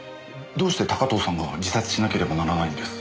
どうして高塔さんが自殺しなければならないんです？